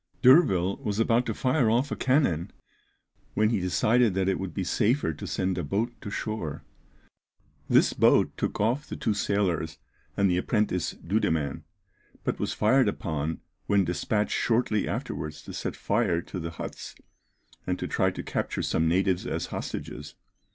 D'Urville was about to fire off a cannon, when he decided that it would be safer to send a boat to shore. This boat took off the two sailors and the apprentice Dudemaine, but was fired upon when despatched shortly afterwards to set fire to the huts, and to try to capture some natives as hostages.